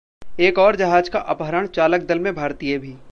एक और जहाज का अपहरण, चालक दल में भारतीय भी